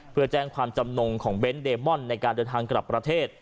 เพื่อแจ้งความจำนงของเบนท์เดมอนในการเดินทางกลับประเทศ